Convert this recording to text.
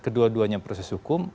kedua duanya proses hukum